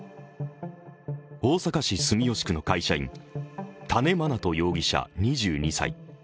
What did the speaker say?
大阪市住吉区の会社員、多禰茉奈都容疑者２２歳。